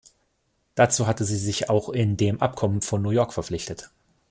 Dazu hatte sie sich auch in dem Abkommen von New York verpflichtet.